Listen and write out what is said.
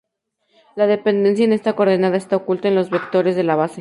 La dependencia en esta coordenada está "oculta" en los vectores de la base.